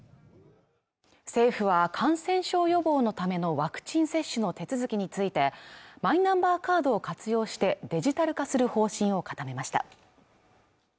政府は感染症予防のためのワクチン接種の手続きについてマイナンバーカードを活用してデジタル化する方針を固めました